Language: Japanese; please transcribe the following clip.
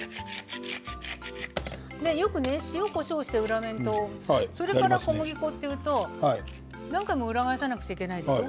よく塩、こしょうして裏面とそれから小麦粉というと何回も裏返さないといけないでしょう？